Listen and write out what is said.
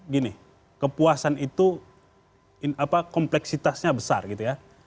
gini kepuasan itu kompleksitasnya besar gitu ya